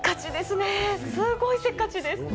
すごいせっかちです。